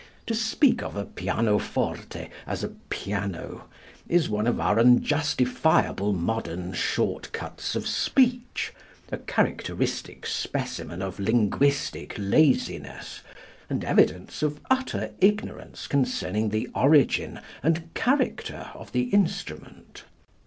To speak of a pianoforte as a piano is one of our unjustifiable modern shortcuts of speech, a characteristic specimen of linguistic laziness and evidence of utter ignorance concerning the origin and character of the instrument.